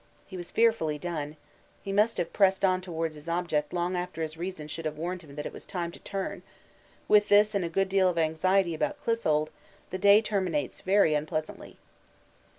He was fearfully done. He must have pressed on towards his objective long after his reason should have warned him that it was time to turn; with this and a good deal of anxiety about Clissold, the day terminates very unpleasantly.